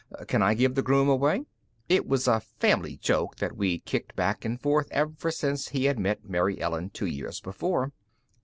Can I give the groom away?" It was a family joke that we'd kicked back and forth ever since he had met Mary Ellen, two years before.